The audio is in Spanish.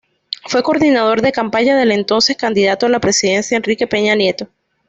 Fue coordinador de campaña del entonces candidato a la Presidencia Enrique Peña Nieto.